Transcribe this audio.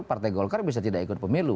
partai golkar bisa tidak ikut pemilu